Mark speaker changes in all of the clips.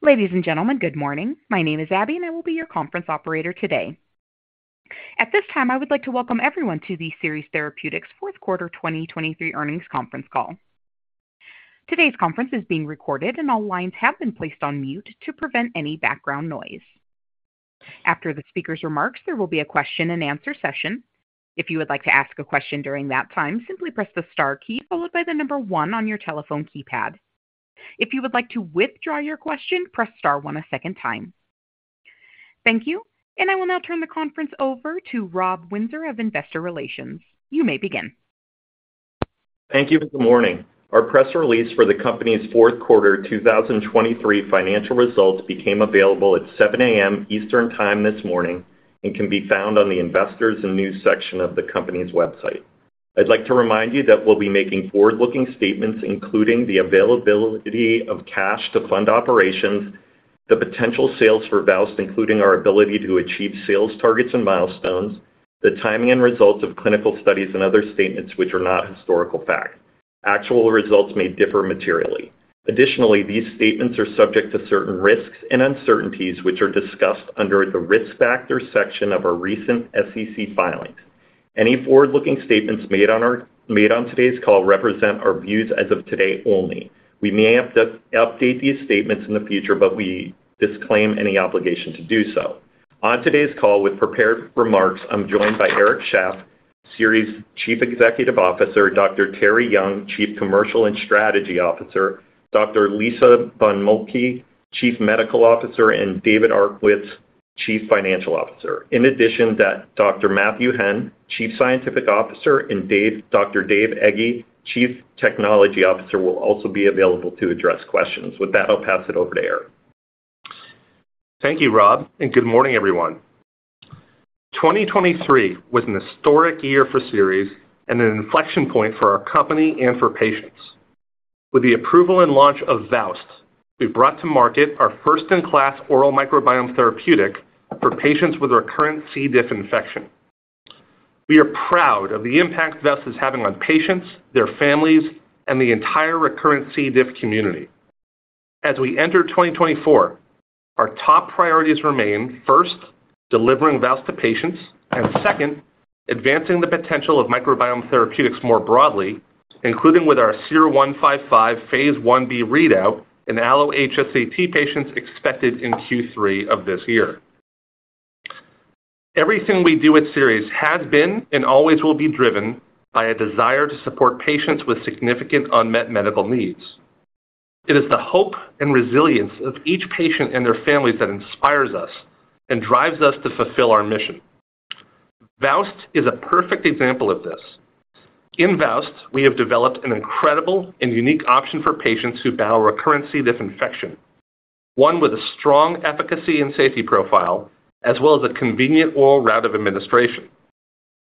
Speaker 1: Ladies and gentlemen, good morning. My name is Abby, and I will be your conference operator today. At this time, I would like to welcome everyone to the Seres Therapeutics fourth quarter 2023 earnings conference call. Today's conference is being recorded, and all lines have been placed on mute to prevent any background noise. After the speaker's remarks, there will be a question-and-answer session. If you would like to ask a question during that time, simply press the star key followed by the number 1 on your telephone keypad. If you would like to withdraw your question, press star 1 a second time. Thank you, and I will now turn the conference over to Rob Windsor of Investor Relations. You may begin.
Speaker 2: Thank you for the morning. Our press release for the company's fourth quarter 2023 financial results became available at 7:00 A.M. Eastern Time this morning and can be found on the Investors and News section of the company's website. I'd like to remind you that we'll be making forward-looking statements, including the availability of cash to fund operations, the potential sales for VOWST, including our ability to achieve sales targets and milestones, the timing and results of clinical studies, and other statements which are not historical fact. Actual results may differ materially. Additionally, these statements are subject to certain risks and uncertainties which are discussed under the risk factors section of our recent SEC filings. Any forward-looking statements made on today's call represent our views as of today only. We may update these statements in the future, but we disclaim any obligation to do so. On today's call, with prepared remarks, I'm joined by Eric Shaff, Seres Chief Executive Officer, Dr. Terri Young, Chief Commercial and Strategy Officer, Dr. Lisa von Moltke, Chief Medical Officer, and David Arkowitz, Chief Financial Officer. In addition, Dr. Matthew Henn, Chief Scientific Officer, and Dr. Dave Ege, Chief Technology Officer, will also be available to address questions. With that, I'll pass it over to Eric.
Speaker 3: Thank you, Rob, and good morning, everyone. 2023 was an historic year for Seres and an inflection point for our company and for patients. With the approval and launch of VOWST, we brought to market our first-in-class oral microbiome therapeutics for patients with recurrent C. diff infection. We are proud of the impact VOWST is having on patients, their families, and the entire recurrent C. diff community. As we enter 2024, our top priorities remain first, delivering VOWST to patients, and second, advancing the potential of microbiome therapeutics more broadly, including with our SER-155 Phase 1b readout in allo-HSCT patients expected in Q3 of this year. Everything we do at Seres has been and always will be driven by a desire to support patients with significant unmet medical needs. It is the hope and resilience of each patient and their families that inspires us and drives us to fulfill our mission. VOWST is a perfect example of this. In VOWST, we have developed an incredible and unique option for patients who battle recurrent C. diff infection, one with a strong efficacy and safety profile as well as a convenient oral route of administration.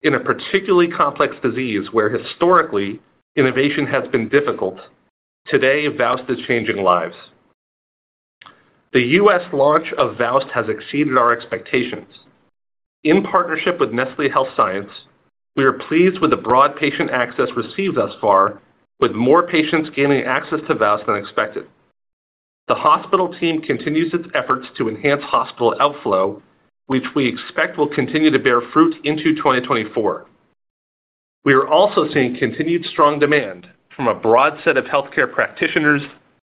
Speaker 3: In a particularly complex disease where historically innovation has been difficult, today VOWST is changing lives. The U.S. launch of VOWST has exceeded our expectations. In partnership with Nestlé Health Science, we are pleased with the broad patient access received thus far, with more patients gaining access to VOWST than expected. The hospital team continues its efforts to enhance hospital outflow, which we expect will continue to bear fruit into 2024. We are also seeing continued strong demand from a broad set of healthcare practitioners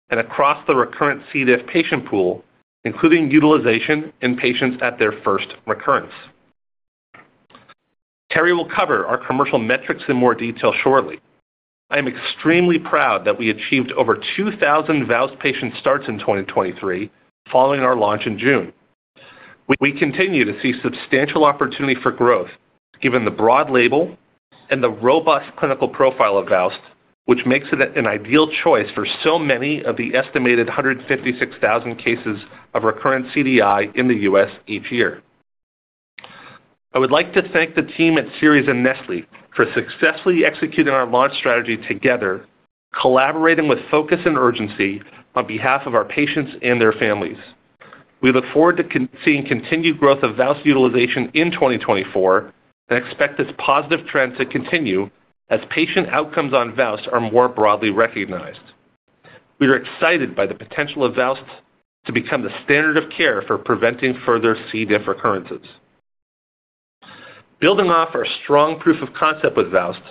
Speaker 3: and across the recurrent C. diff patient pool, including utilization in patients at their first recurrence. Terri will cover our commercial metrics in more detail shortly. I am extremely proud that we achieved over 2,000 VOWST patient starts in 2023 following our launch in June. We continue to see substantial opportunity for growth given the broad label and the robust clinical profile of VOWST, which makes it an ideal choice for so many of the estimated 156,000 cases of recurrent CDI in the U.S. each year. I would like to thank the team at Seres and Nestlé for successfully executing our launch strategy together, collaborating with focus and urgency on behalf of our patients and their families. We look forward to seeing continued growth of VOWST utilization in 2024 and expect this positive trend to continue as patient outcomes on VOWST are more broadly recognized. We are excited by the potential of VOWST to become the standard of care for preventing further C. diff recurrences. Building off our strong proof of concept with VOWST,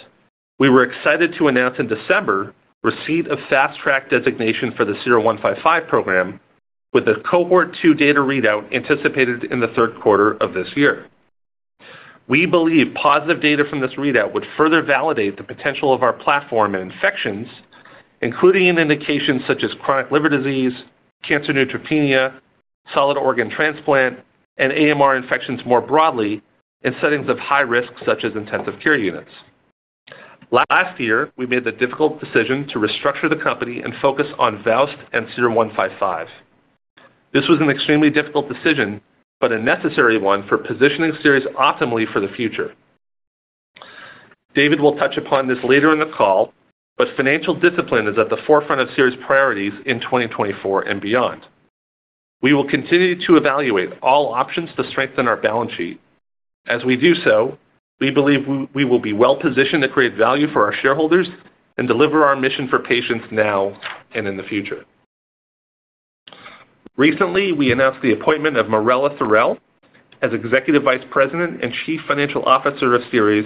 Speaker 3: we were excited to announce in December receipt of Fast Track Designation for the SER-155 program with a Cohort 2 data readout anticipated in the third quarter of this year. We believe positive data from this readout would further validate the potential of our platform in infections, including in indications such as chronic liver disease, cancer neutropenia, solid organ transplant, and AMR infections more broadly in settings of high risk such as intensive care units. Last year, we made the difficult decision to restructure the company and focus on VOWST and SER-155. This was an extremely difficult decision but a necessary one for positioning Seres optimally for the future. David will touch upon this later in the call, but financial discipline is at the forefront of Seres' priorities in 2024 and beyond. We will continue to evaluate all options to strengthen our balance sheet. As we do so, we believe we will be well-positioned to create value for our shareholders and deliver our mission for patients now and in the future. Recently, we announced the appointment of Marella Thorell as Executive Vice President and Chief Financial Officer of Seres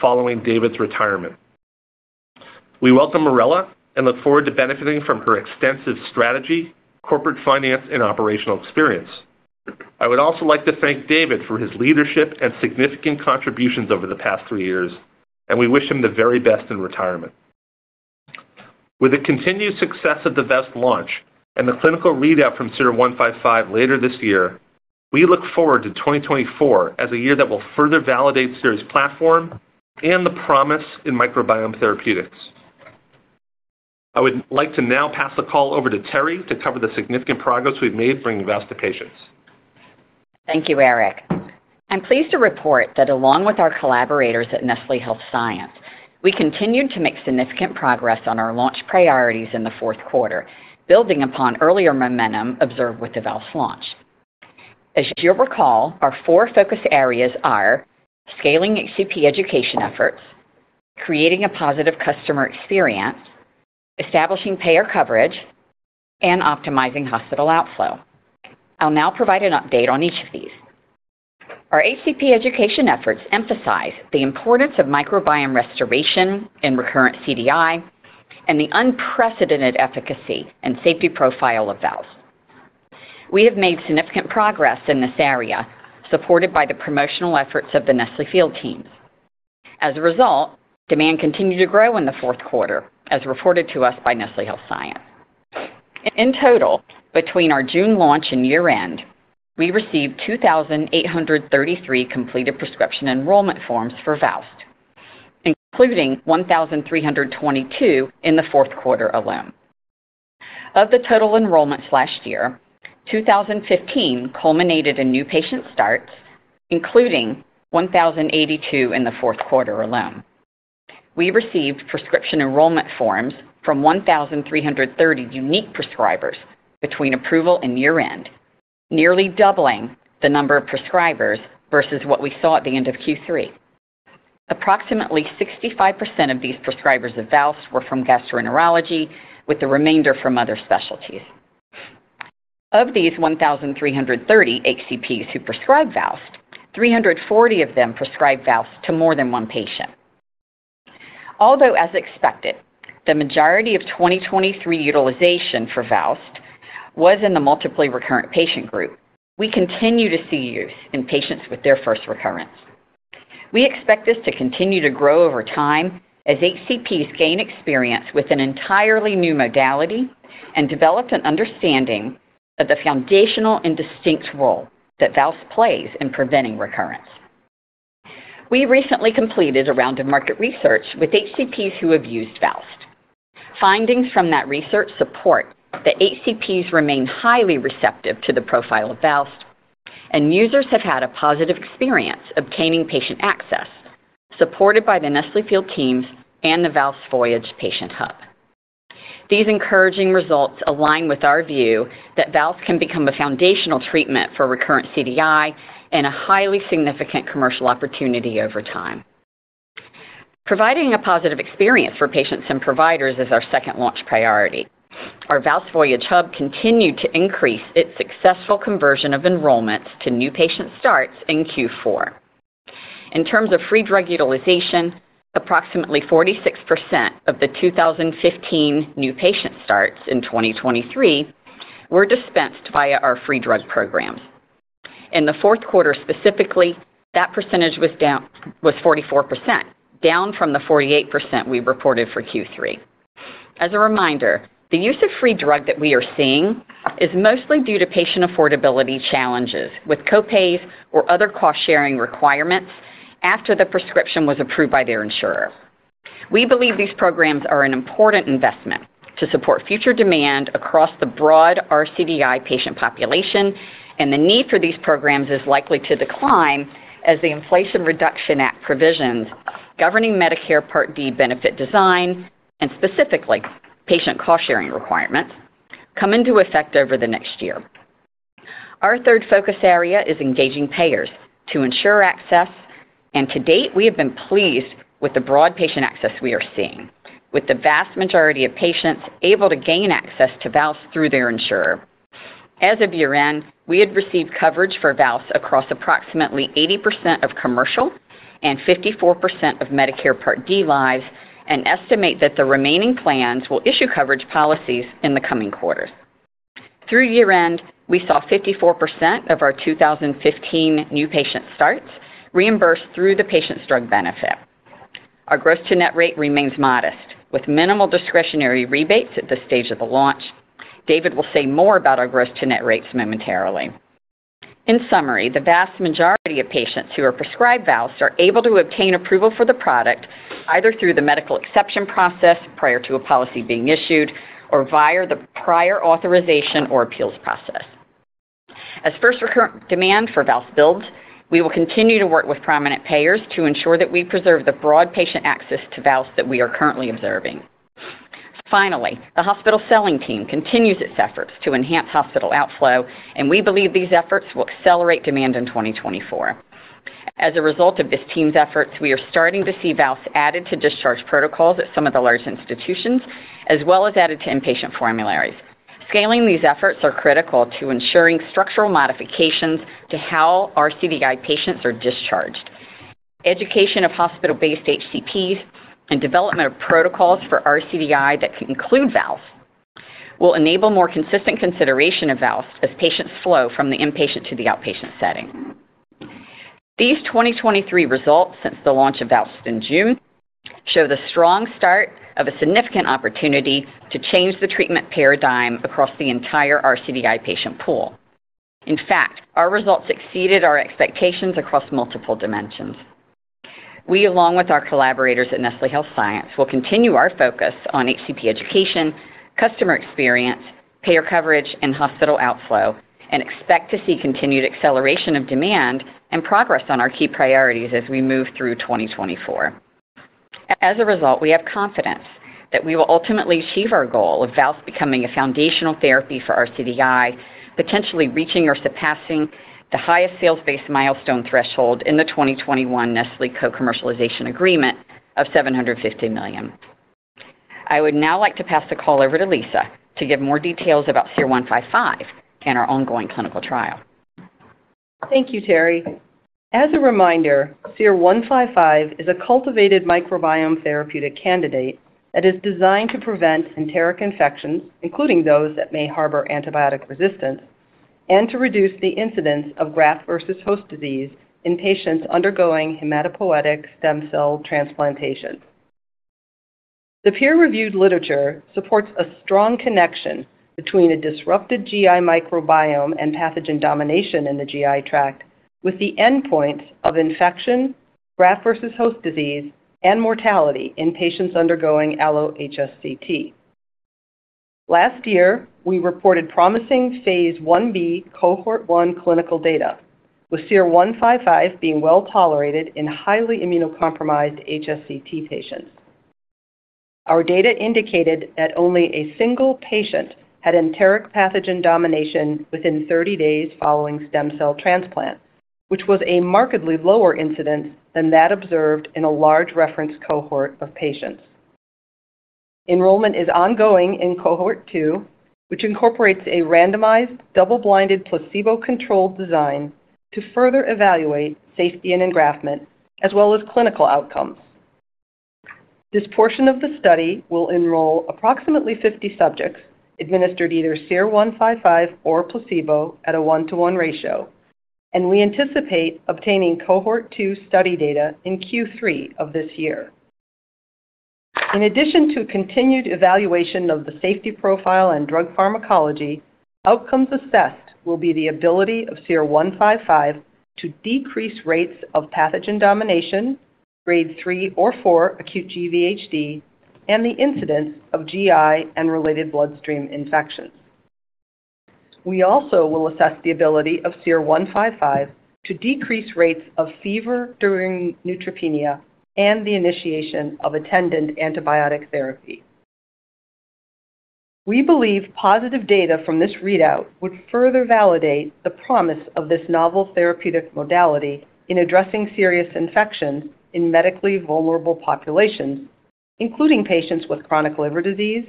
Speaker 3: following David's retirement. We welcome Marella and look forward to benefiting from her extensive strategy, corporate finance, and operational experience. I would also like to thank David for his leadership and significant contributions over the past three years, and we wish him the very best in retirement. With the continued success of the VOWST launch and the clinical readout from SER-155 later this year, we look forward to 2024 as a year that will further validate Seres' platform and the promise in microbiome therapeutics. I would like to now pass the call over to Terri to cover the significant progress we've made bringing VOWST to patients.
Speaker 4: Thank you, Eric. I'm pleased to report that along with our collaborators at Nestlé Health Science, we continued to make significant progress on our launch priorities in the fourth quarter, building upon earlier momentum observed with the VOWST launch. As you'll recall, our four focus areas are scaling HCP education efforts, creating a positive customer experience, establishing payer coverage, and optimizing hospital outflow. I'll now provide an update on each of these. Our HCP education efforts emphasize the importance of microbiome restoration in recurrent CDI and the unprecedented efficacy and safety profile of VOWST. We have made significant progress in this area, supported by the promotional efforts of the Nestlé field teams. As a result, demand continued to grow in the fourth quarter, as reported to us by Nestlé Health Science. In total, between our June launch and year-end, we received 2,833 completed prescription enrollment forms for VOWST, including 1,322 in the fourth quarter alone. Of the total enrollments last year, 2,015 culminated in new patient starts, including 1,082 in the fourth quarter alone. We received prescription enrollment forms from 1,330 unique prescribers between approval and year-end, nearly doubling the number of prescribers versus what we saw at the end of Q3. Approximately 65% of these prescribers of VOWST were from gastroenterology, with the remainder from other specialties. Of these 1,330 HCPs who prescribed VOWST, 340 of them prescribed VOWST to more than one patient. Although, as expected, the majority of 2023 utilization for VOWST was in the multiply recurrent patient group, we continue to see use in patients with their first recurrence. We expect this to continue to grow over time as HCPs gain experience with an entirely new modality and develop an understanding of the foundational and distinct role that VOWST plays in preventing recurrence. We recently completed a round of market research with HCPs who have used VOWST. Findings from that research support that HCPs remain highly receptive to the profile of VOWST, and users have had a positive experience obtaining patient access, supported by the Nestlé field teams and the VOWST Voyage Patient Hub. These encouraging results align with our view that VOWST can become a foundational treatment for recurrent CDI and a highly significant commercial opportunity over time. Providing a positive experience for patients and providers is our second launch priority. Our VOWST Voyage Hub continued to increase its successful conversion of enrollments to new patient starts in Q4. In terms of free drug utilization, approximately 46% of the 2015 new patient starts in 2023 were dispensed via our free drug programs. In the fourth quarter specifically, that percentage was 44%, down from the 48% we reported for Q3. As a reminder, the use of free drug that we are seeing is mostly due to patient affordability challenges with copays or other cost-sharing requirements after the prescription was approved by their insurer. We believe these programs are an important investment to support future demand across the broad rCDI patient population, and the need for these programs is likely to decline as the Inflation Reduction Act provisions governing Medicare Part D benefit design and specifically patient cost-sharing requirements come into effect over the next year. Our third focus area is engaging payers to ensure access, and to date, we have been pleased with the broad patient access we are seeing, with the vast majority of patients able to gain access to VOWST through their insurer. As of year-end, we had received coverage for VOWST across approximately 80% of commercial and 54% of Medicare Part D lives and estimate that the remaining plans will issue coverage policies in the coming quarters. Through year-end, we saw 54% of our 2015 new patient starts reimbursed through the patient's drug benefit. Our gross-to-net rate remains modest, with minimal discretionary rebates at the stage of the launch. David will say more about our gross-to-net rates momentarily. In summary, the vast majority of patients who are prescribed VOWST are able to obtain approval for the product either through the medical exception process prior to a policy being issued or via the prior authorization or appeals process. As first recurrent demand for VOWST builds, we will continue to work with prominent payers to ensure that we preserve the broad patient access to VOWST that we are currently observing. Finally, the hospital selling team continues its efforts to enhance hospital outflow, and we believe these efforts will accelerate demand in 2024. As a result of this team's efforts, we are starting to see VOWST added to discharge protocols at some of the large institutions as well as added to inpatient formularies. Scaling these efforts is critical to ensuring structural modifications to how rCDI patients are discharged. Education of hospital-based HCPs and development of protocols for rCDI that can include VOWST will enable more consistent consideration of VOWST as patients flow from the inpatient to the outpatient setting. These 2023 results since the launch of VOWST in June show the strong start of a significant opportunity to change the treatment paradigm across the entire rCDI patient pool. In fact, our results exceeded our expectations across multiple dimensions. We, along with our collaborators at Nestlé Health Science, will continue our focus on HCP education, customer experience, payer coverage, and hospital outflow, and expect to see continued acceleration of demand and progress on our key priorities as we move through 2024. As a result, we have confidence that we will ultimately achieve our goal of VOWST becoming a foundational therapy for rCDI, potentially reaching or surpassing the highest sales-based milestone threshold in the 2021 Nestlé Co-commercialization Agreement of $750 million. I would now like to pass the call over to Lisa to give more details about SER-155 and our ongoing clinical trial.
Speaker 5: Thank you, Terri. As a reminder, SER-155 is a cultivated microbiome therapeutic candidate that is designed to prevent enteric infections, including those that may harbor antibiotic resistance, and to reduce the incidence of graft-versus-host disease in patients undergoing hematopoietic stem cell transplantation. The peer-reviewed literature supports a strong connection between a disrupted GI microbiome and pathogen domination in the GI tract with the endpoints of infection, graft-versus-host disease, and mortality in patients undergoing allo-HSCT. Last year, we reported promising Phase 1b Cohort 1 clinical data, with SER-155 being well-tolerated in highly immunocompromised HSCT patients. Our data indicated that only a single patient had enteric pathogen domination within 30 days following stem cell transplant, which was a markedly lower incidence than that observed in a large reference cohort of patients. Enrollment is ongoing in Cohort 2, which incorporates a randomized, double-blinded placebo-controlled design to further evaluate safety and engraftment as well as clinical outcomes. This portion of the study will enroll approximately 50 subjects administered either SER-155 or placebo at a 1:1 ratio, and we anticipate obtaining Cohort 2 study data in Q3 of this year. In addition to continued evaluation of the safety profile and drug pharmacology, outcomes assessed will be the ability of SER-155 to decrease rates of pathogen domination, Grade 3 or 4 acute GVHD, and the incidence of GI and related bloodstream infections. We also will assess the ability of SER-155 to decrease rates of fever during neutropenia and the initiation of attendant antibiotic therapy. We believe positive data from this readout would further validate the promise of this novel therapeutic modality in addressing serious infections in medically vulnerable populations, including patients with chronic liver disease,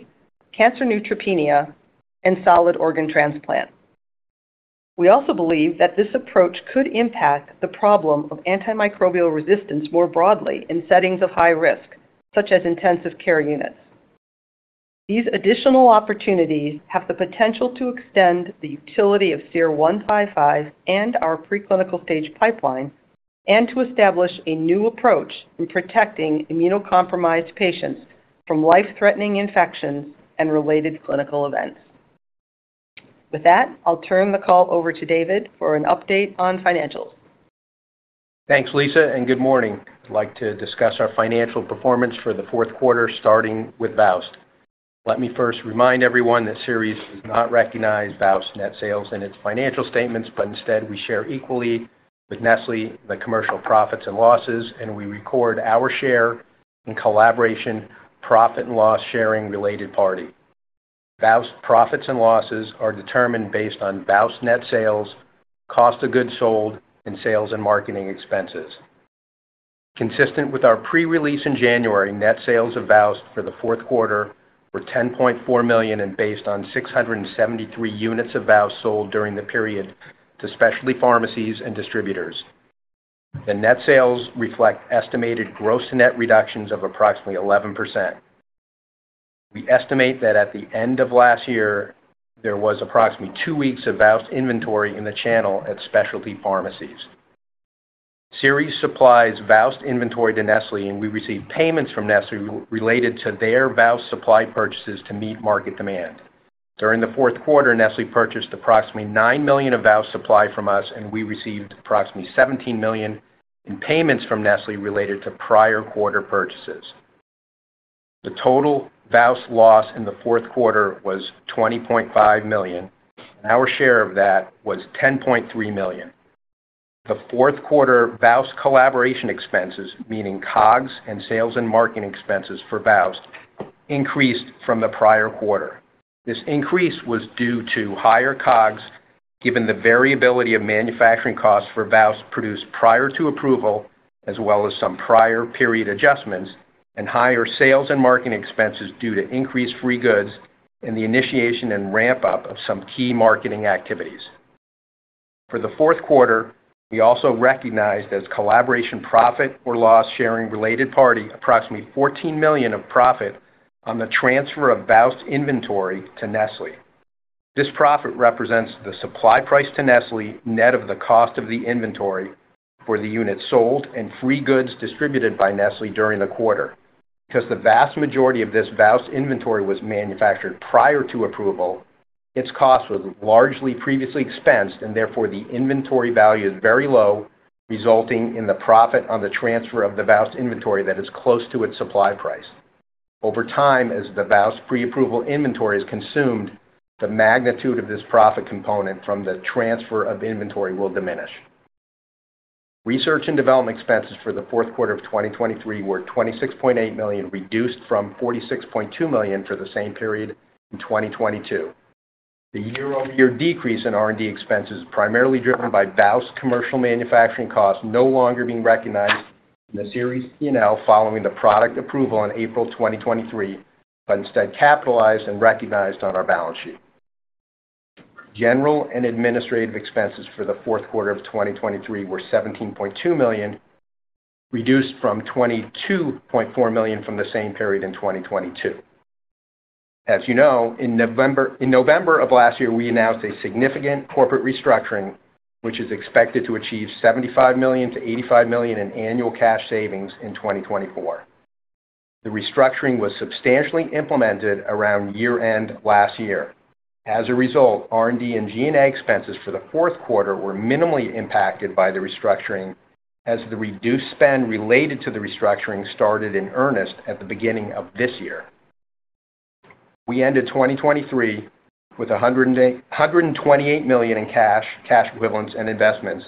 Speaker 5: cancer neutropenia, and solid organ transplant. We also believe that this approach could impact the problem of antimicrobial resistance more broadly in settings of high risk, such as intensive care units. These additional opportunities have the potential to extend the utility of SER-155 and our preclinical stage pipeline and to establish a new approach in protecting immunocompromised patients from life-threatening infections and related clinical events. With that, I'll turn the call over to David for an update on financials.
Speaker 6: Thanks, Lisa, and good morning. I'd like to discuss our financial performance for the fourth quarter starting with VOWST. Let me first remind everyone that Seres does not recognize VOWST net sales in its financial statements, but instead, we share equally with Nestlé the commercial profits and losses, and we record our share in collaboration profit and loss sharing related party. VOWST profits and losses are determined based on VOWST net sales, cost of goods sold, and sales and marketing expenses. Consistent with our pre-release in January, net sales of VOWST for the fourth quarter were $10.4 million, based on 673 units of VOWST sold during the period to specialty pharmacies and distributors. The net sales reflect estimated gross-to-net reductions of approximately 11%. We estimate that at the end of last year, there was approximately two weeks of VOWST inventory in the channel at specialty pharmacies. Seres supplies VOWST inventory to Nestlé, and we received payments from Nestlé related to their VOWST supply purchases to meet market demand. During the fourth quarter, Nestlé purchased approximately $9 million of VOWST supply from us, and we received approximately $17 million in payments from Nestlé related to prior quarter purchases. The total VOWST loss in the fourth quarter was $20.5 million, and our share of that was $10.3 million. The fourth quarter VOWST collaboration expenses, meaning COGS and sales and marketing expenses for VOWST, increased from the prior quarter. This increase was due to higher COGS given the variability of manufacturing costs for VOWST produced prior to approval as well as some prior period adjustments and higher sales and marketing expenses due to increased free goods and the initiation and ramp-up of some key marketing activities. For the fourth quarter, we also recognized as collaboration profit or loss sharing related party approximately $14 million of profit on the transfer of VOWST inventory to Nestlé. This profit represents the supply price to Nestlé net of the cost of the inventory for the units sold and free goods distributed by Nestlé during the quarter. Because the vast majority of this VOWST inventory was manufactured prior to approval, its cost was largely previously expensed, and therefore, the inventory value is very low, resulting in the profit on the transfer of the VOWST inventory that is close to its supply price. Over time, as the VOWST pre-approval inventory is consumed, the magnitude of this profit component from the transfer of inventory will diminish. Research and development expenses for the fourth quarter of 2023 were $26.8 million, reduced from $46.2 million for the same period in 2022. The year-over-year decrease in R&D expenses is primarily driven by VOWST commercial manufacturing costs no longer being recognized in the Seres P&L following the product approval in April 2023, but instead capitalized and recognized on our balance sheet. General and administrative expenses for the fourth quarter of 2023 were $17.2 million, reduced from $22.4 million from the same period in 2022. As you know, in November of last year, we announced a significant corporate restructuring, which is expected to achieve $75 million-$85 million in annual cash savings in 2024. The restructuring was substantially implemented around year-end last year. As a result, R&D and G&A expenses for the fourth quarter were minimally impacted by the restructuring as the reduced spend related to the restructuring started in earnest at the beginning of this year. We ended 2023 with $128 million in cash equivalents and investments,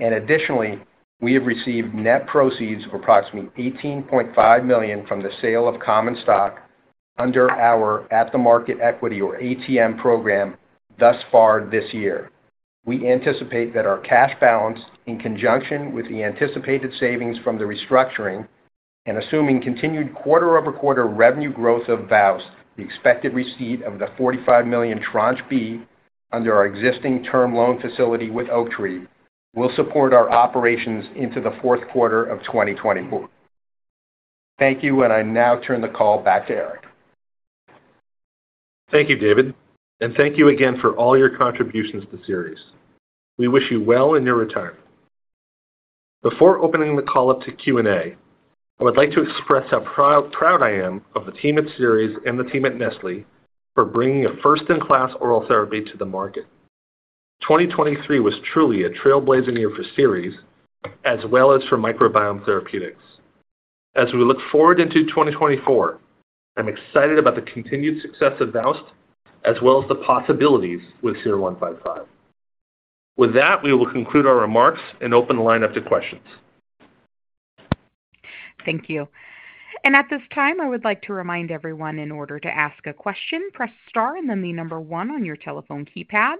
Speaker 6: and additionally, we have received net proceeds of approximately $18.5 million from the sale of common stock under our at-the-market equity or ATM program thus far this year. We anticipate that our cash balance, in conjunction with the anticipated savings from the restructuring and assuming continued quarter-over-quarter revenue growth of VOWST, the expected receipt of the $45 million Tranche B under our existing term loan facility with Oaktree, will support our operations into the fourth quarter of 2024. Thank you, and I now turn the call back to Eric.
Speaker 3: Thank you, David, and thank you again for all your contributions to Seres. We wish you well in your retirement. Before opening the call up to Q&A, I would like to express how proud I am of the team at Seres and the team at Nestlé for bringing a first-in-class oral therapy to the market. 2023 was truly a trailblazing year for Seres as well as for Microbiome Therapeutics. As we look forward into 2024, I'm excited about the continued success of VOWST as well as the possibilities with SER-155. With that, we will conclude our remarks and open the line up to questions.
Speaker 1: Thank you. At this time, I would like to remind everyone, in order to ask a question, press star and then the number one on your telephone keypad.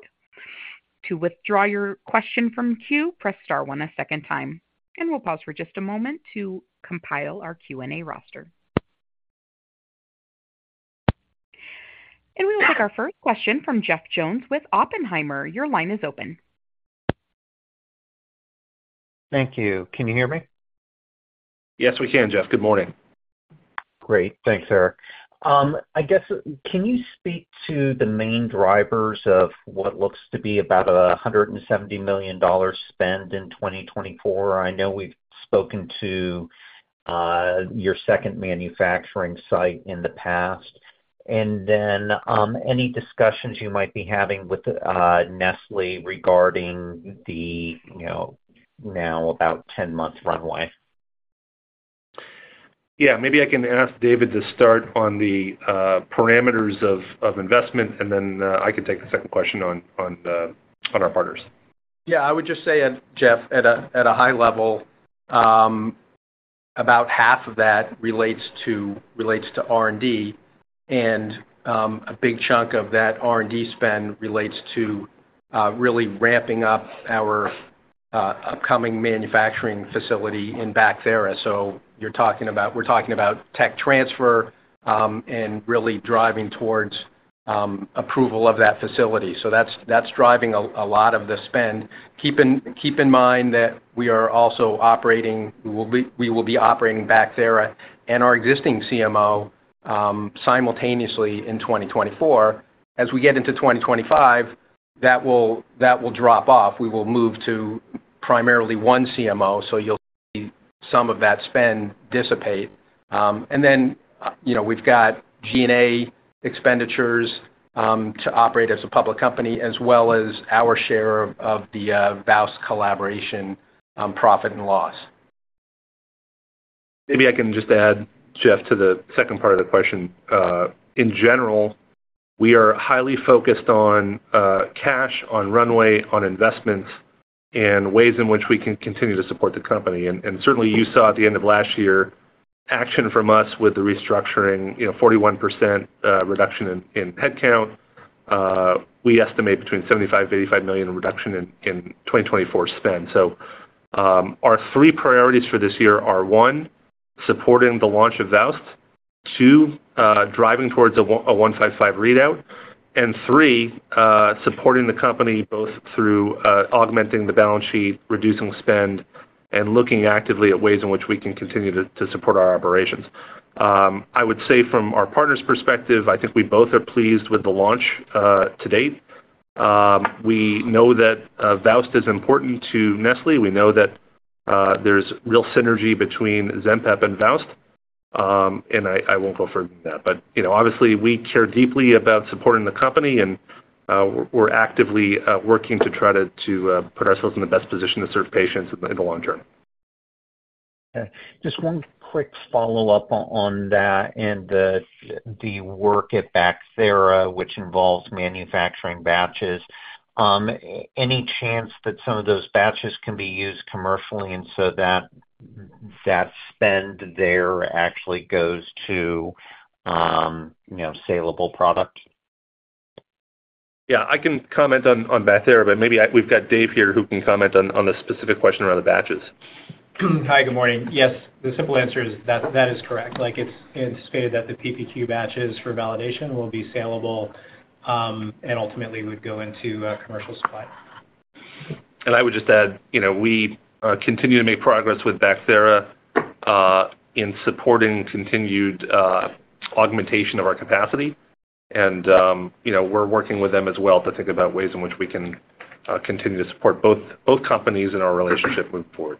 Speaker 1: To withdraw your question from queue, press star one a second time, and we'll pause for just a moment to compile our Q&A roster. We will take our first question from Jeff Jones with Oppenheimer. Your line is open.
Speaker 7: Thank you. Can you hear me?
Speaker 3: Yes, we can, Jeff. Good morning.
Speaker 7: Great. Thanks, Eric. I guess, can you speak to the main drivers of what looks to be about a $170 million spend in 2024? I know we've spoken to your second manufacturing site in the past. And then any discussions you might be having with Nestlé regarding the now about 10-month runway?
Speaker 3: Yeah. Maybe I can ask David to start on the parameters of investment, and then I can take the second question on our partners.
Speaker 6: Yeah. I would just say, Jeff, at a high level, about half of that relates to R&D, and a big chunk of that R&D spend relates to really ramping up our upcoming manufacturing facility in Bacthera. So we're talking about tech transfer and really driving towards approval of that facility. So that's driving a lot of the spend. Keep in mind that we will be operating Bacthera and our existing CMO simultaneously in 2024. As we get into 2025, that will drop off. We will move to primarily one CMO, so you'll see some of that spend dissipate. And then we've got G&A expenditures to operate as a public company as well as our share of the VOWST collaboration profit and loss.
Speaker 3: Maybe I can just add, Jeff, to the second part of the question. In general, we are highly focused on cash, on runway, on investments, and ways in which we can continue to support the company. And certainly, you saw at the end of last year action from us with the restructuring, 41% reduction in headcount. We estimate between $75 million-$85 million reduction in 2024 spend. So our three priorities for this year are, one, supporting the launch of VOWST; two, driving towards a 155 readout; and three, supporting the company both through augmenting the balance sheet, reducing spend, and looking actively at ways in which we can continue to support our operations. I would say from our partners' perspective, I think we both are pleased with the launch to date. We know that VOWST is important to Nestlé. We know that there's real synergy between Zenpep and VOWST. I won't go further than that. Obviously, we care deeply about supporting the company, and we're actively working to try to put ourselves in the best position to serve patients in the long term.
Speaker 7: Okay. Just one quick follow-up on that and the work at Bacthera, which involves manufacturing batches. Any chance that some of those batches can be used commercially and so that spend there actually goes to saleable product?
Speaker 3: Yeah. I can comment on Bacthera, but maybe we've got Dave here who can comment on the specific question around the batches.
Speaker 8: Hi. Good morning. Yes, the simple answer is that is correct. It's anticipated that the PPQ batches for validation will be saleable and ultimately would go into commercial supply.
Speaker 3: And I would just add, we continue to make progress with Bacthera in supporting continued augmentation of our capacity. And we're working with them as well to think about ways in which we can continue to support both companies and our relationship moving forward.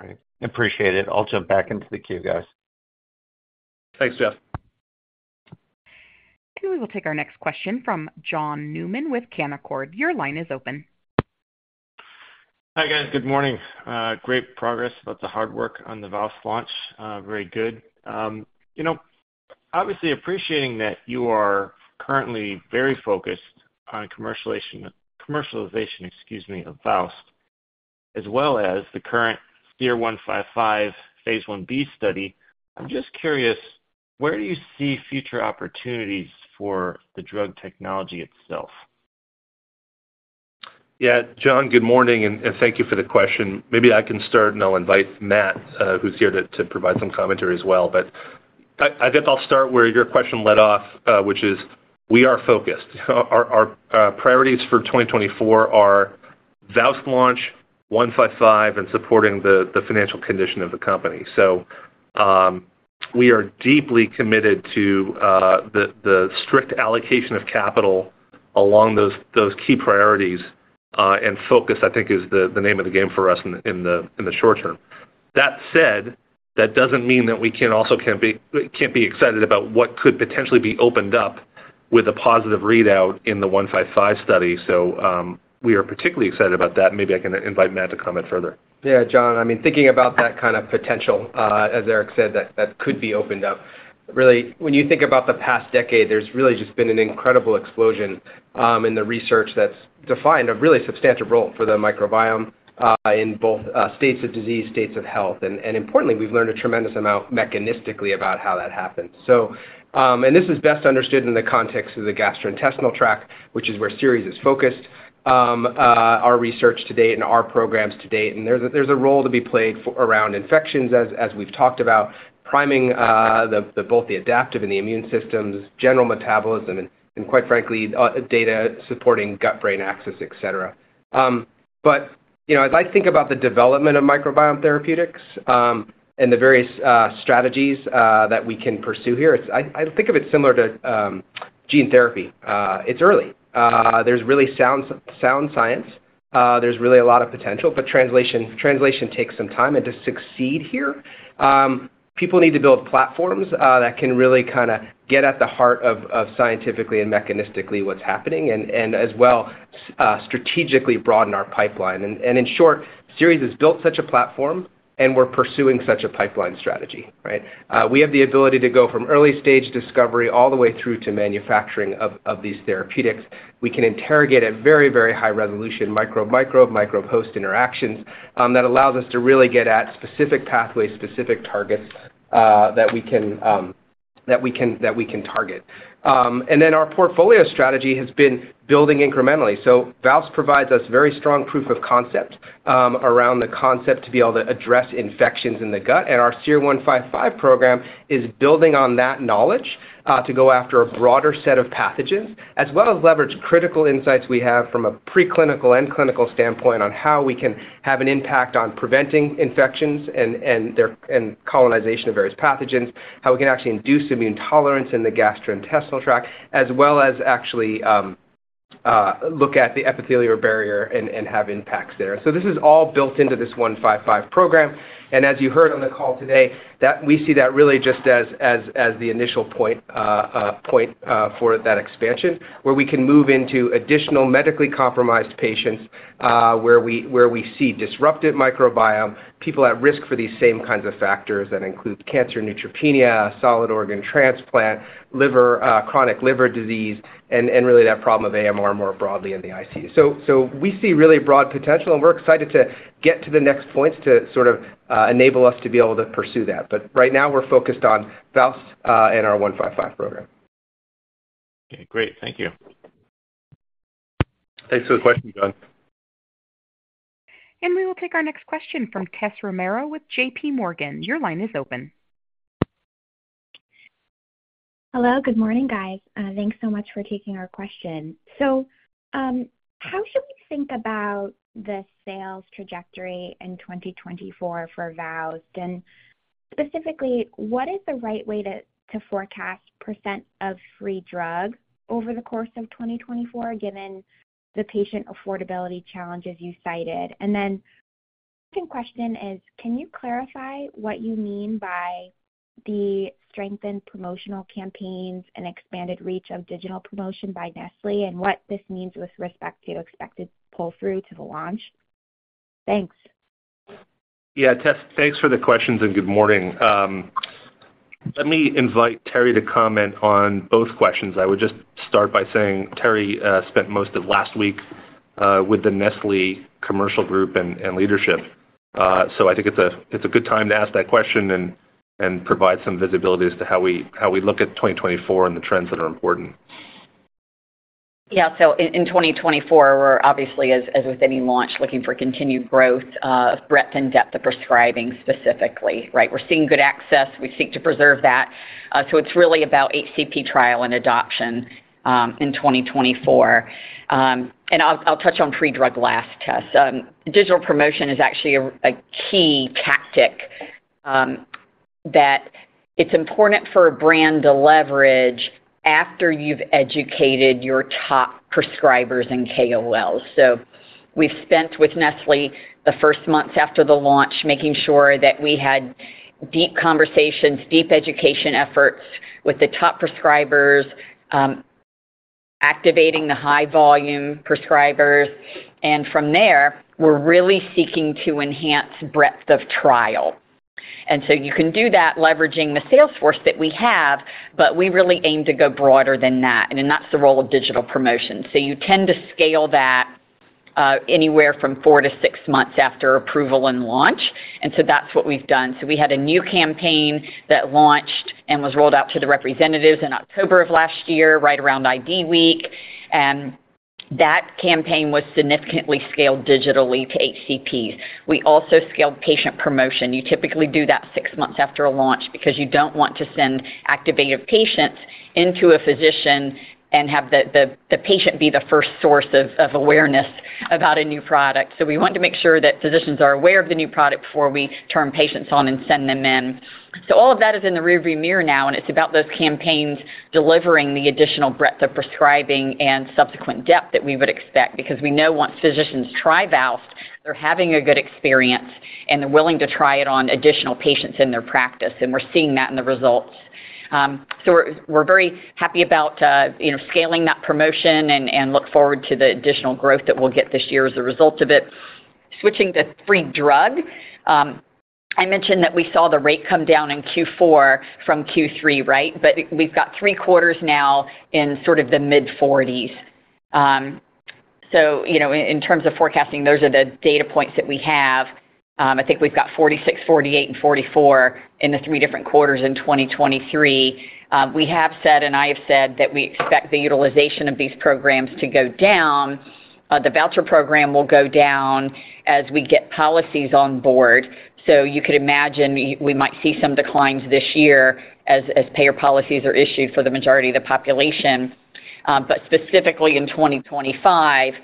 Speaker 7: Great. Appreciate it. I'll jump back into the queue, guys.
Speaker 3: Thanks, Jeff.
Speaker 1: We will take our next question from John Newman with Canaccord. Your line is open.
Speaker 9: Hi, guys. Good morning. Great progress about the hard work on the VOWST launch. Very good. Obviously, appreciating that you are currently very focused on commercialization, excuse me, of VOWST as well as the current SER-155 phase 1b study, I'm just curious, where do you see future opportunities for the drug technology itself?
Speaker 3: Yeah. John, good morning, and thank you for the question. Maybe I can start, and I'll invite Matt, who's here to provide some commentary as well. But I guess I'll start where your question led off, which is, we are focused. Our priorities for 2024 are VOWST launch, 155, and supporting the financial condition of the company. So we are deeply committed to the strict allocation of capital along those key priorities, and focus, I think, is the name of the game for us in the short term. That said, that doesn't mean that we also can't be excited about what could potentially be opened up with a positive readout in the 155 study. So we are particularly excited about that. Maybe I can invite Matt to comment further.
Speaker 10: Yeah, John. I mean, thinking about that kind of potential, as Eric said, that could be opened up, really, when you think about the past decade, there's really just been an incredible explosion in the research that's defined a really substantial role for the microbiome in both states of disease, states of health. Importantly, we've learned a tremendous amount mechanistically about how that happens. This is best understood in the context of the gastrointestinal tract, which is where Seres is focused, our research to date, and our programs to date. There's a role to be played around infections, as we've talked about, priming both the adaptive and the immune systems, general metabolism, and quite frankly, data supporting gut-brain axis, etc. But as I think about the development of microbiome therapeutics and the various strategies that we can pursue here, I think of it similar to gene therapy. It's early. There's really sound science. There's really a lot of potential, but translation takes some time. And to succeed here, people need to build platforms that can really kind of get at the heart of scientifically and mechanistically what's happening and as well strategically broaden our pipeline. And in short, Seres has built such a platform, and we're pursuing such a pipeline strategy, right? We have the ability to go from early-stage discovery all the way through to manufacturing of these therapeutics. We can interrogate at very, very high resolution microbe, microbe, microbe host interactions. That allows us to really get at specific pathways, specific targets that we can target. And then our portfolio strategy has been building incrementally. So VOWST provides us very strong proof of concept around the concept to be able to address infections in the gut. Our SER-155 program is building on that knowledge to go after a broader set of pathogens as well as leverage critical insights we have from a preclinical and clinical standpoint on how we can have an impact on preventing infections and colonization of various pathogens, how we can actually induce immune tolerance in the gastrointestinal tract, as well as actually look at the epithelial barrier and have impacts there. So this is all built into this 155 program. As you heard on the call today, we see that really just as the initial point for that expansion where we can move into additional medically compromised patients where we see disrupted microbiome, people at risk for these same kinds of factors that include cancer, neutropenia, solid organ transplant, chronic liver disease, and really that problem of AMR more broadly in the ICU. So we see really broad potential, and we're excited to get to the next points to sort of enable us to be able to pursue that. But right now, we're focused on VOWST and our SER-155 program.
Speaker 9: Okay. Great. Thank you.
Speaker 3: Thanks for the question, John.
Speaker 1: We will take our next question from Tessa Romero with J.P. Morgan. Your line is open.
Speaker 11: Hello. Good morning, guys. Thanks so much for taking our question. How should we think about the sales trajectory in 2024 for VOWST? Specifically, what is the right way to forecast percent of free drug over the course of 2024 given the patient affordability challenges you cited? The second question is, can you clarify what you mean by the strengthened promotional campaigns and expanded reach of digital promotion by Nestlé and what this means with respect to expected pull-through to the launch? Thanks.
Speaker 3: Yeah, Tess, thanks for the questions and good morning. Let me invite Terry to comment on both questions. I would just start by saying Terry spent most of last week with the Nestlé commercial group and leadership. I think it's a good time to ask that question and provide some visibility as to how we look at 2024 and the trends that are important.
Speaker 4: Yeah. So in 2024, we're obviously, as with any launch, looking for continued growth of breadth and depth of prescribing specifically, right? We're seeing good access. We seek to preserve that. So it's really about HCP trial and adoption in 2024. And I'll touch on free drug last, Tess. Digital promotion is actually a key tactic that it's important for a brand to leverage after you've educated your top prescribers and KOLs. So we've spent with Nestlé the first months after the launch making sure that we had deep conversations, deep education efforts with the top prescribers, activating the high-volume prescribers. And from there, we're really seeking to enhance breadth of trial. And so you can do that leveraging the salesforce that we have, but we really aim to go broader than that. And that's the role of digital promotion. So you tend to scale that anywhere from 4-6 months after approval and launch. And so that's what we've done. So we had a new campaign that launched and was rolled out to the representatives in October of last year right around ID Week. And that campaign was significantly scaled digitally to HCPs. We also scaled patient promotion. You typically do that 6 months after a launch because you don't want to send activated patients into a physician and have the patient be the first source of awareness about a new product. So we wanted to make sure that physicians are aware of the new product before we turn patients on and send them in. So all of that is in the rearview mirror now, and it's about those campaigns delivering the additional breadth of prescribing and subsequent depth that we would expect because we know once physicians try VOWST, they're having a good experience, and they're willing to try it on additional patients in their practice. And we're seeing that in the results. So we're very happy about scaling that promotion and look forward to the additional growth that we'll get this year as a result of it. Switching to free drug, I mentioned that we saw the rate come down in Q4 from Q3, right? But we've got three-quarters now in sort of the mid-40s. So in terms of forecasting, those are the data points that we have. I think we've got 46, 48, and 44 in the three different quarters in 2023. We have said, and I have said, that we expect the utilization of these programs to go down. The voucher program will go down as we get policies on board. So you could imagine we might see some declines this year as payer policies are issued for the majority of the population. But specifically in 2025,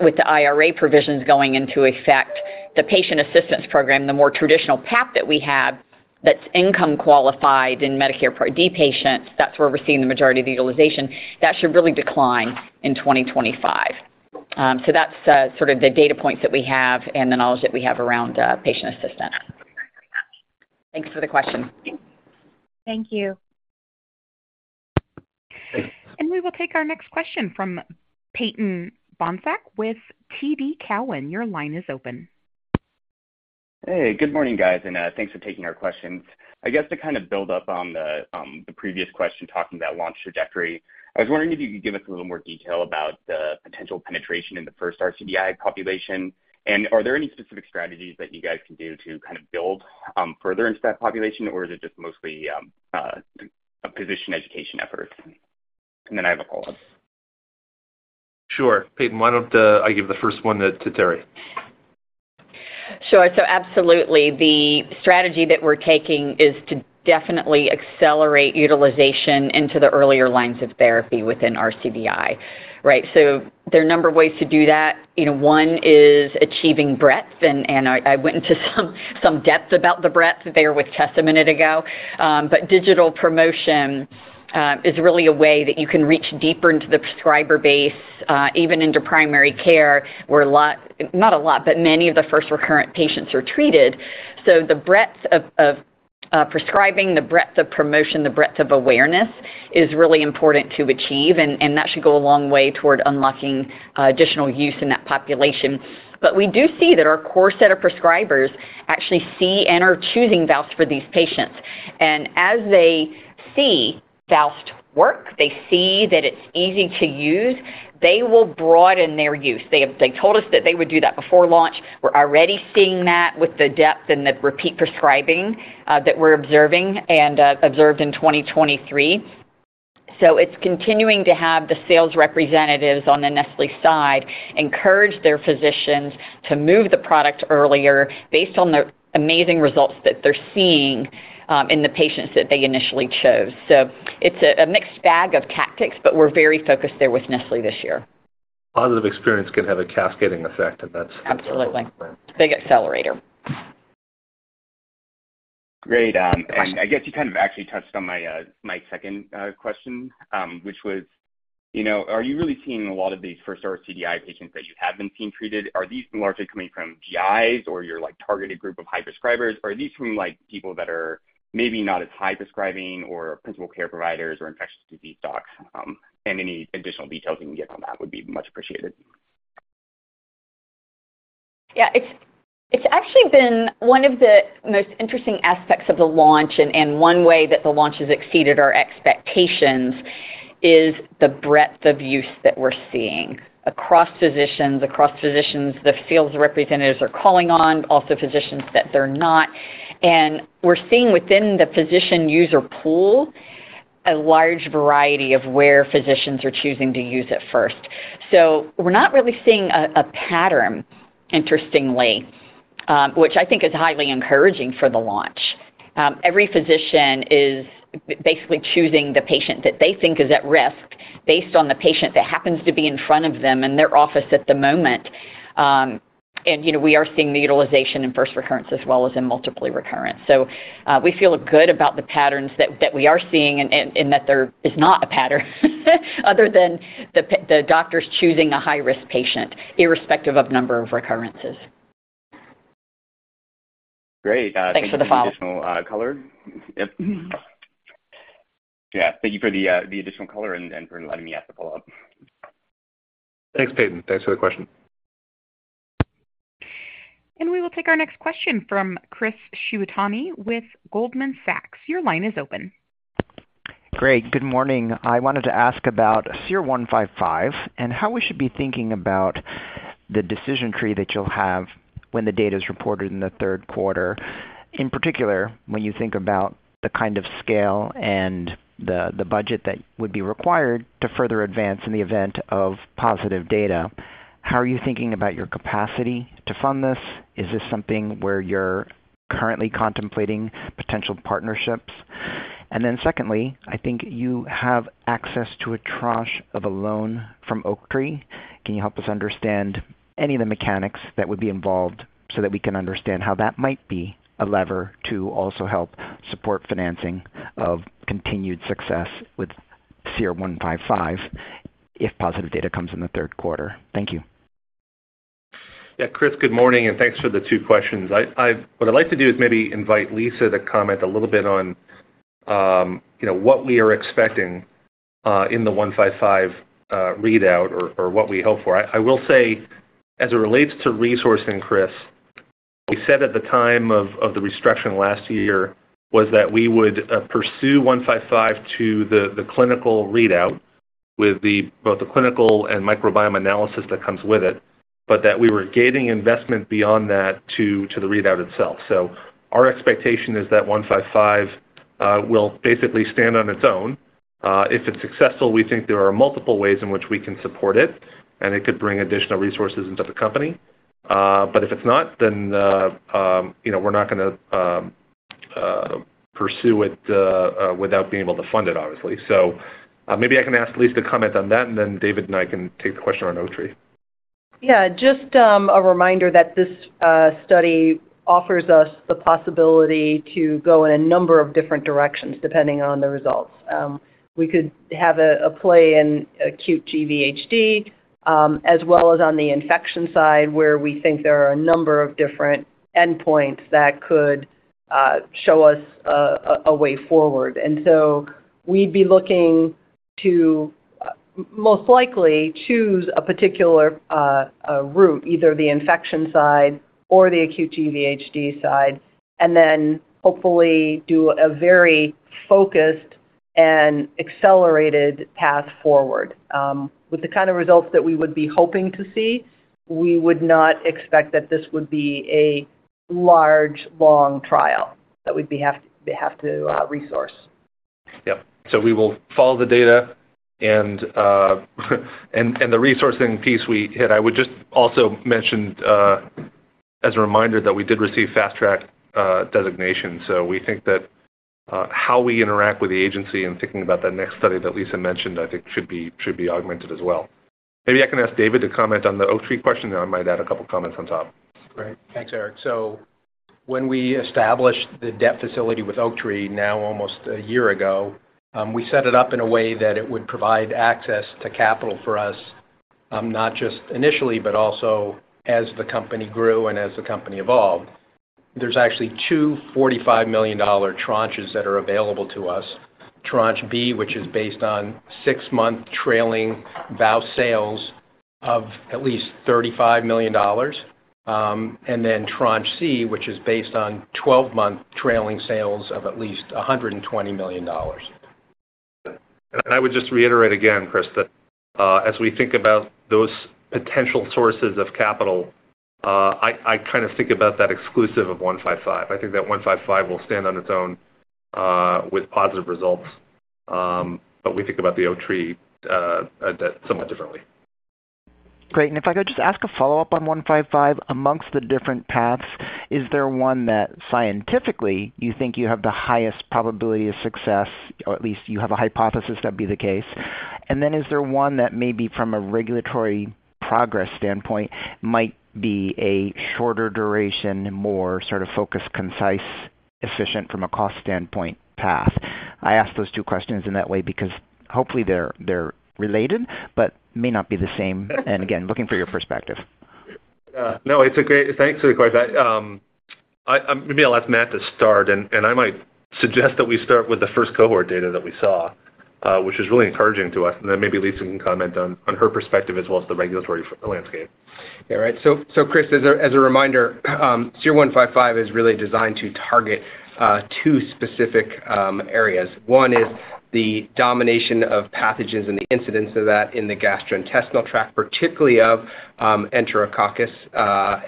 Speaker 4: with the IRA provisions going into effect, the patient assistance program, the more traditional PAP that we have that's income-qualified in Medicare Part D patients, that's where we're seeing the majority of the utilization, that should really decline in 2025. So that's sort of the data points that we have and the knowledge that we have around patient assistance. Thanks for the question.
Speaker 1: Thank you. We will take our next question from Peyton Bohnsack with TD Cowen. Your line is open.
Speaker 12: Hey. Good morning, guys, and thanks for taking our questions. I guess to kind of build up on the previous question talking about launch trajectory, I was wondering if you could give us a little more detail about the potential penetration in the first rCDI population. And are there any specific strategies that you guys can do to kind of build further into that population, or is it just mostly a physician education effort? And then I have a follow-up.
Speaker 3: Sure. Peyton, why don't I give the first one to Terri?
Speaker 4: Sure. So absolutely. The strategy that we're taking is to definitely accelerate utilization into the earlier lines of therapy within rCDI, right? So there are a number of ways to do that. One is achieving breadth. And I went into some depth about the breadth there with Tess a minute ago. But digital promotion is really a way that you can reach deeper into the prescriber base, even into primary care where not a lot, but many of the first recurrent patients are treated. So the breadth of prescribing, the breadth of promotion, the breadth of awareness is really important to achieve. And that should go a long way toward unlocking additional use in that population. But we do see that our core set of prescribers actually see and are choosing VOWST for these patients. As they see VOWST work, they see that it's easy to use, they will broaden their use. They told us that they would do that before launch. We're already seeing that with the depth and the repeat prescribing that we're observing and observed in 2023. So it's continuing to have the sales representatives on the Nestlé side encourage their physicians to move the product earlier based on the amazing results that they're seeing in the patients that they initially chose. So it's a mixed bag of tactics, but we're very focused there with Nestlé this year.
Speaker 3: Positive experience can have a cascading effect, and that's.
Speaker 4: Absolutely. Big accelerator.
Speaker 12: Great. And I guess you kind of actually touched on my second question, which was, are you really seeing a lot of these first rCDI patients that you have been seeing treated? Are these largely coming from GIs, or your targeted group of high prescribers? Or are these from people that are maybe not as high prescribing or primary care providers or infectious disease docs? And any additional details you can get on that would be much appreciated.
Speaker 4: Yeah. It's actually been one of the most interesting aspects of the launch. One way that the launch has exceeded our expectations is the breadth of use that we're seeing across physicians, across physicians the sales representatives are calling on, also physicians that they're not. We're seeing within the physician user pool a large variety of where physicians are choosing to use it first. We're not really seeing a pattern, interestingly, which I think is highly encouraging for the launch. Every physician is basically choosing the patient that they think is at risk based on the patient that happens to be in front of them in their office at the moment. We are seeing the utilization in first recurrence as well as in multiply recurrent. We feel good about the patterns that we are seeing and that there is not a pattern other than the doctors choosing a high-risk patient irrespective of number of recurrences.
Speaker 12: Great. Thank you for the follow-up.
Speaker 4: Thanks for the follow-up.
Speaker 12: Color. Yep. Yeah. Thank you for the additional color and for letting me ask the follow-up.
Speaker 3: Thanks, Peyton. Thanks for the question.
Speaker 1: We will take our next question from Chris Shibutani with Goldman Sachs. Your line is open.
Speaker 13: Great. Good morning. I wanted to ask about SER-155 and how we should be thinking about the decision tree that you'll have when the data is reported in the third quarter. In particular, when you think about the kind of scale and the budget that would be required to further advance in the event of positive data, how are you thinking about your capacity to fund this? Is this something where you're currently contemplating potential partnerships? And then secondly, I think you have access to a tranche of a loan from Oaktree. Can you help us understand any of the mechanics that would be involved so that we can understand how that might be a lever to also help support financing of continued success with SER-155 if positive data comes in the third quarter? Thank you.
Speaker 3: Yeah. Chris, good morning, and thanks for the two questions. What I'd like to do is maybe invite Lisa to comment a little bit on what we are expecting in the 155 readout or what we hope for. I will say, as it relates to resourcing, Chris, what we said at the time of the restructuring last year was that we would pursue 155 to the clinical readout with both the clinical and microbiome analysis that comes with it, but that we were gating investment beyond that to the readout itself. So our expectation is that 155 will basically stand on its own. If it's successful, we think there are multiple ways in which we can support it, and it could bring additional resources into the company. But if it's not, then we're not going to pursue it without being able to fund it, obviously. Maybe I can ask Lisa to comment on that, and then David and I can take the question on Oaktree.
Speaker 5: Yeah. Just a reminder that this study offers us the possibility to go in a number of different directions depending on the results. We could have a play in acute GVHD as well as on the infection side where we think there are a number of different endpoints that could show us a way forward. And so we'd be looking to most likely choose a particular route, either the infection side or the acute GVHD side, and then hopefully do a very focused and accelerated path forward. With the kind of results that we would be hoping to see, we would not expect that this would be a large, long trial that we'd have to resource.
Speaker 3: Yep. So we will follow the data. And the resourcing piece we hit, I would just also mention as a reminder that we did receive Fast Track designation. So we think that how we interact with the agency and thinking about that next study that Lisa mentioned, I think, should be augmented as well. Maybe I can ask David to comment on the Oaktree question, and I might add a couple of comments on top.
Speaker 6: Great. Thanks, Eric. So when we established the debt facility with Oaktree now almost a year ago, we set it up in a way that it would provide access to capital for us not just initially, but also as the company grew and as the company evolved. There's actually two $45 million tranches that are available to us. Tranche B, which is based on 6-month trailing VOWST sales of at least $35 million, and then Tranche C, which is based on 12-month trailing sales of at least $120 million.
Speaker 3: I would just reiterate again, Chris, that as we think about those potential sources of capital, I kind of think about that exclusive of 155. I think that 155 will stand on its own with positive results, but we think about the Oaktree somewhat differently.
Speaker 13: Great. And if I could just ask a follow-up on 155 amongst the different paths, is there one that scientifically you think you have the highest probability of success, or at least you have a hypothesis that would be the case? And then is there one that maybe from a regulatory progress standpoint might be a shorter duration, more sort of focused, concise, efficient from a cost standpoint path? I ask those two questions in that way because hopefully, they're related but may not be the same. And again, looking for your perspective.
Speaker 3: Yeah. No, thanks for the question. Maybe I'll ask Matt to start. And I might suggest that we start with the first cohort data that we saw, which was really encouraging to us. And then maybe Lisa can comment on her perspective as well as the regulatory landscape.
Speaker 10: Yeah. Right. So Chris, as a reminder, SER-155 is really designed to target two specific areas. One is the domination of pathogens and the incidence of that in the gastrointestinal tract, particularly of Enterococcus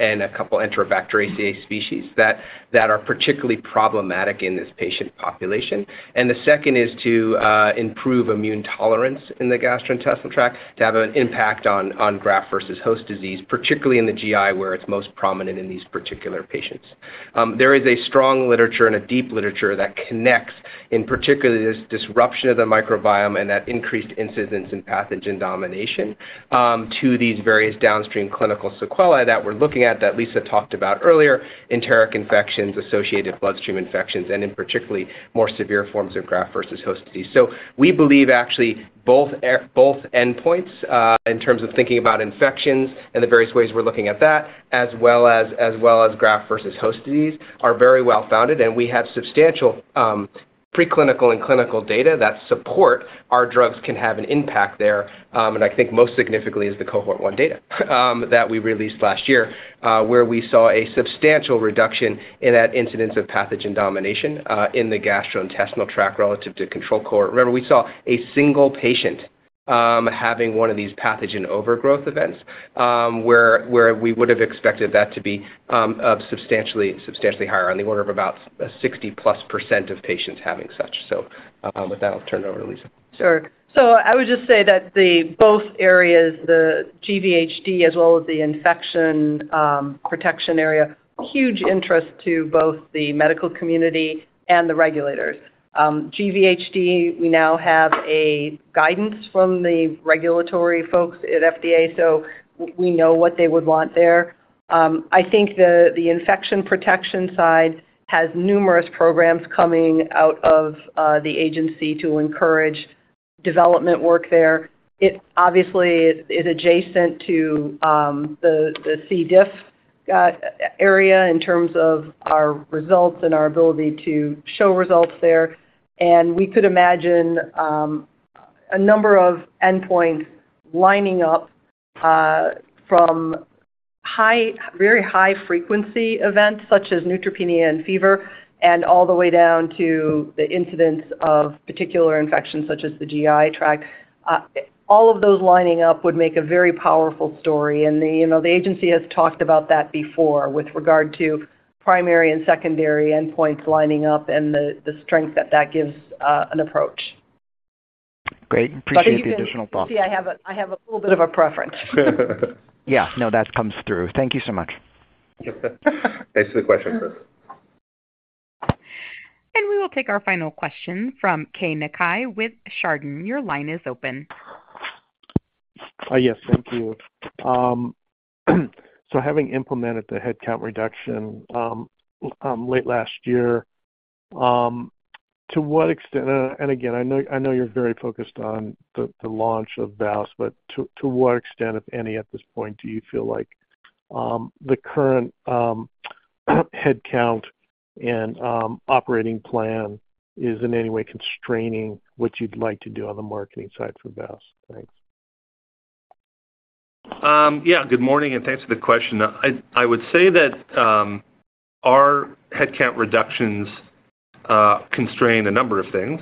Speaker 10: and a couple of Enterobacteriaceae species that are particularly problematic in this patient population. And the second is to improve immune tolerance in the gastrointestinal tract, to have an impact on graft-versus-host disease, particularly in the GI where it's most prominent in these particular patients. There is a strong literature and a deep literature that connects, in particular, this disruption of the microbiome and that increased incidence in pathogen domination to these various downstream clinical sequelae that we're looking at that Lisa talked about earlier, enteric infections, associated bloodstream infections, and in particularly, more severe forms of graft-versus-host disease. So we believe actually both endpoints in terms of thinking about infections and the various ways we're looking at that, as well as Graft-versus-Host Disease, are very well-founded. And we have substantial preclinical and clinical data that support our drugs can have an impact there. And I think most significantly is the Cohort 1 data that we released last year where we saw a substantial reduction in that incidence of pathogen domination in the gastrointestinal tract relative to control cohort. Remember, we saw a single patient having one of these pathogen overgrowth events where we would have expected that to be substantially higher, on the order of about 60+% of patients having such. So with that, I'll turn it over to Lisa.
Speaker 5: Sure. So I would just say that both areas, the GVHD as well as the infection protection area, huge interest to both the medical community and the regulators. GVHD, we now have guidance from the regulatory folks at FDA, so we know what they would want there. I think the infection protection side has numerous programs coming out of the agency to encourage development work there. It obviously is adjacent to the CDI area in terms of our results and our ability to show results there. And we could imagine a number of endpoints lining up from very high-frequency events such as neutropenia and fever and all the way down to the incidence of particular infections such as the GI tract. All of those lining up would make a very powerful story. The agency has talked about that before with regard to primary and secondary endpoints lining up and the strength that that gives an approach.
Speaker 13: Great. Appreciate the additional thoughts.
Speaker 5: I think you can see I have a little bit of a preference.
Speaker 13: Yeah. No, that comes through. Thank you so much.
Speaker 3: Thanks for the question, Chris.
Speaker 1: We will take our final question from Keay Nakae with Chardan. Your line is open.
Speaker 14: Yes. Thank you. So having implemented the headcount reduction late last year, to what extent and again, I know you're very focused on the launch of VOWST, but to what extent, if any, at this point, do you feel like the current headcount and operating plan is in any way constraining what you'd like to do on the marketing side for VOWST? Thanks.
Speaker 3: Yeah. Good morning, and thanks for the question. I would say that our headcount reductions constrain a number of things,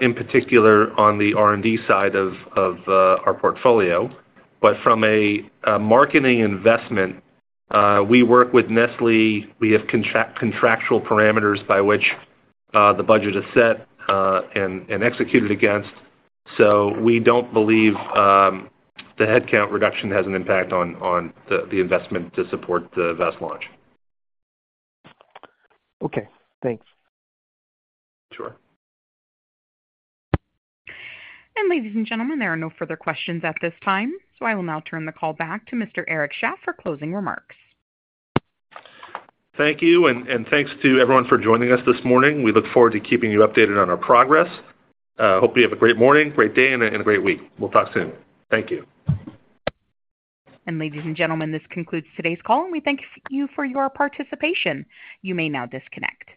Speaker 3: in particular, on the R&D side of our portfolio. But from a marketing investment, we work with Nestlé. We have contractual parameters by which the budget is set and executed against. So we don't believe the headcount reduction has an impact on the investment to support the VOWST launch.
Speaker 14: Okay. Thanks.
Speaker 3: Sure.
Speaker 1: Ladies and gentlemen, there are no further questions at this time. I will now turn the call back to Mr. Eric Shaff for closing remarks.
Speaker 3: Thank you. Thanks to everyone for joining us this morning. We look forward to keeping you updated on our progress. Hope you have a great morning, great day, and a great week. We'll talk soon. Thank you.
Speaker 1: Ladies and gentlemen, this concludes today's call, and we thank you for your participation. You may now disconnect.